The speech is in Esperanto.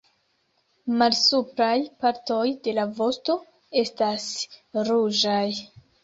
Malsupraj partoj de la vosto estas ruĝaj.